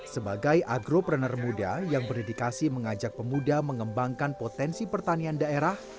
sebagai agropreneur muda yang berdedikasi mengajak pemuda mengembangkan potensi pertanian daerah